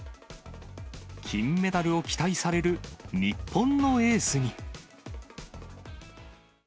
金メダルを期待される日本のエースに。